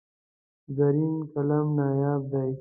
زرین قلم نایاب دی.